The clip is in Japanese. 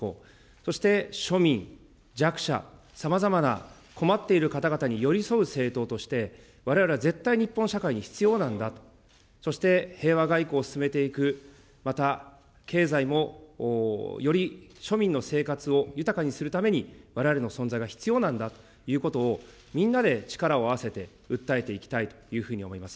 そして庶民、弱者、さまざまな困っている方々に寄り添う政党として、われわれは絶対、日本の社会に必要なんだ、そして平和外交を進めていく、また経済も、より庶民の生活を豊かにするためにわれわれの存在が必要なんだということを、みんなで力を合わせて訴えていきたいというふうに思います。